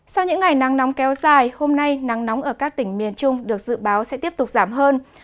sau những ngày nắng nóng kéo dài hôm nay nắng nóng ở các tỉnh miền trung được dự báo sẽ tiếp tục giảm hơn